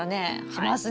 しますね。